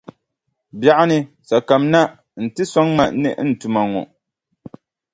Biɛɣuni sa kamina nti sɔŋ ma ni n tuma ŋɔ.